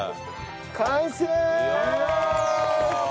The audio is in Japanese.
完成！